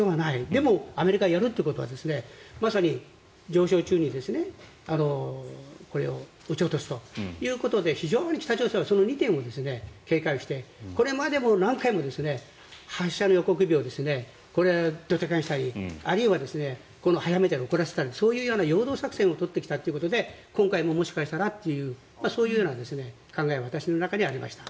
でもアメリカはやるということはまさに上昇中にこれを撃ち落とすということで非常に北朝鮮はその２点を警戒してこれまでも何回も発射の予告日をドタキャンしたりあるいは早めたり遅らせたりそういう陽動作戦を取ってきたりということで今回ももしかしたらというそういう考えも私の中にはありました。